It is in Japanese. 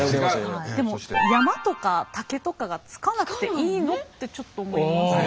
でも山とか岳とかが付かなくていいのってちょっと思いません？